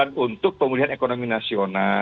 dan untuk pemulihan ekonomi nasional